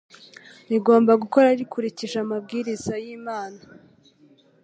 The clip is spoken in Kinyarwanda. Rigomba gukora rikurikije amabwiriza y'Imana,